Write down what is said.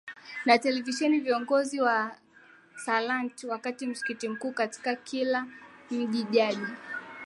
na televisheni viongozi wa salat wa msikiti mkuu katika kila mji jaji